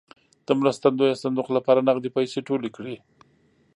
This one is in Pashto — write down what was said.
د مرستندویه صندوق لپاره نغدې پیسې ټولې کړې.